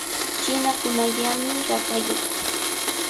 Chinakunallamy rakayuq.